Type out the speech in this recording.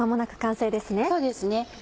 そうですね。